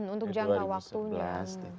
untuk jangka waktunya